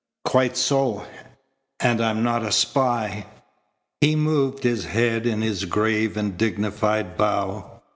"Quite so. And I am not a spy." He moved his head in his grave and dignified bow.